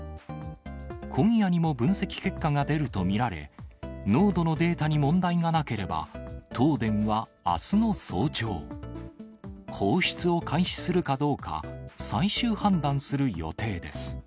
今夜にも分析結果が出ると見られ、濃度のデータに問題がなければ、東電はあすの早朝、放出を開始するかどうか、最終判断する予定です。